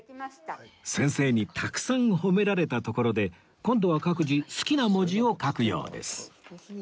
先生にたくさん褒められたところで今度は各自好きな文字を書くようです